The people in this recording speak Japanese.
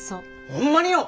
ほんまによん